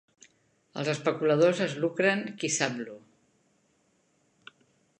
Els especuladors es lucren qui-sap-lo.